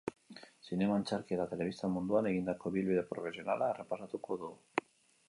Zinema, antzerki eta telebista munduan egindako ibilbide profesionala errepasatuko du.